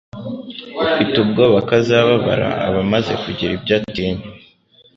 Ufite ubwoba ko azababara, aba amaze kugira ibyo atinya.”